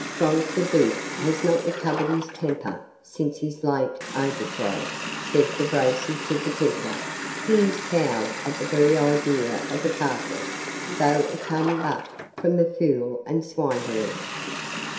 "Front de Bœuf has not recovered his temper since his late overthrow," said De Bracy to the Templar; "he is cowed at the very idea of a cartel, though it come but from a fool and a swineherd."